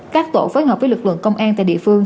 các tổ phối hợp với lực lượng công an tại địa phương